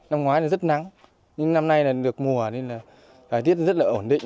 năm ngoái là rất nắng nhưng năm nay là được mùa nên là thời tiết rất là ổn định